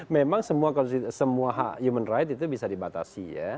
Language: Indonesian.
memang semua hak human right itu bisa dibatasi ya